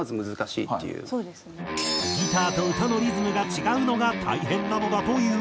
ギターと歌のリズムが違うのが大変なのだという。